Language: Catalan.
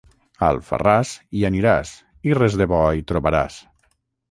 A Alfarràs hi aniràs i res de bo hi trobaràs.